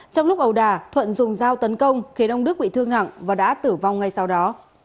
trong lúc ẩu đà thuận dùng dao tấn công khiến ông đức bị thương nặng và đã tử vong ngay sau đó